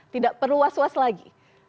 tidak perlu was was lagi